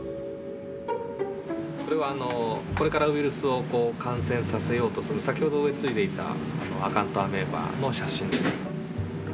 これはこれからウイルスを感染させようとする先ほど植えついでいたアカウントアメーバの写真です。